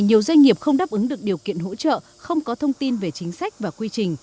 nhiều doanh nghiệp không đáp ứng được điều kiện hỗ trợ không có thông tin về chính sách và quy trình